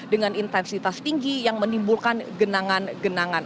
dengan intensitas tinggi yang menimbulkan genangan genangan